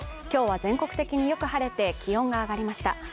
今日は全国的に良く晴れて気温が上がりました。